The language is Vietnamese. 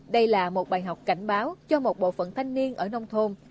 đây là một bài học cảnh báo cho một bộ phận thanh niên ở nông thôn